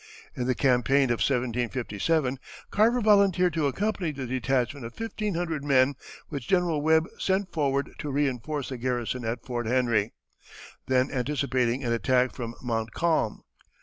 In the campaign of 1757, Carver volunteered to accompany the detachment of fifteen hundred men which General Webb sent forward to reinforce the garrison at Fort Henry, then anticipating an attack from Montcalm.